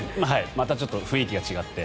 またちょっと雰囲気が違って。